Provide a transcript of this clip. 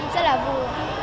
rất là vui